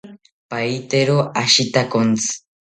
Pahitero ashitakontzi